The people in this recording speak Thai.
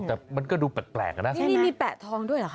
แต่มันก็ดูแปลกนะใช่ไหมนี่มีแปะทองด้วยหรือคะ